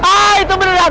ah itu beneran